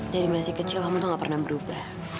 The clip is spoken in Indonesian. dari masih kecil kamu tuh gak pernah berubah